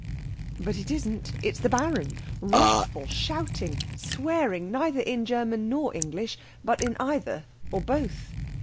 But it isn't. It is the Baron, wrathful, shouting, swearing, neither in German nor English, but in either or both.